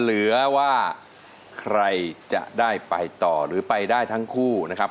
เหลือว่าใครจะได้ไปต่อหรือไปได้ทั้งคู่นะครับ